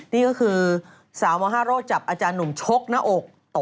นี่ก็คือสาวม๕โรคจับอาจารย์หนุ่มชกหน้าอก